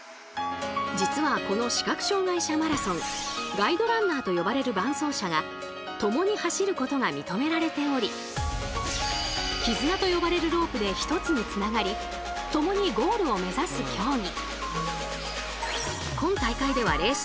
ガイドランナーと呼ばれる伴走者が共に走ることが認められており「きずな」と呼ばれるロープで一つにつながり共にゴールを目指す競技。